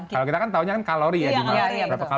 kalau kita kan tahu kalori ya